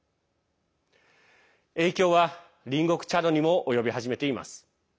影響は、隣国チャドにも及び始めています。